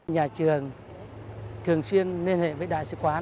nhà trường thường xuyên liên hệ với đại sứ quán